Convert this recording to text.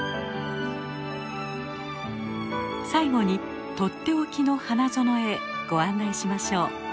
最後に取って置きの花園へご案内しましょう。